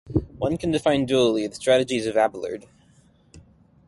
One can define dually the strategies of Abelard.